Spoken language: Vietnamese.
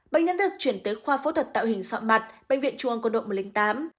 bệnh nhân được chuyển tới khoa phẫu thuật tạo hình sọ mặt bệnh viện chuông quân đội một trăm linh tám